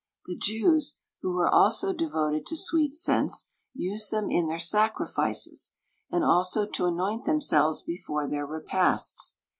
The Jews, who were also devoted to sweet scents, used them in their sacrifices, and also to anoint themselves before their repasts.